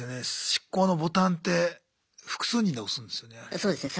執行のボタンって複数人で押すんですよね。